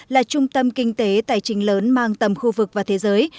là trung tâm kinh tế tài chính lớn mang tầm khu vực và thế giới